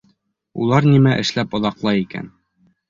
Улар нимә эшләп оҙаҡлай икән?